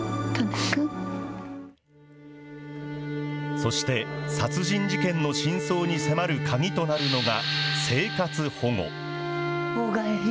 そして、殺人事件の真相に迫る鍵となるのが、生活保護。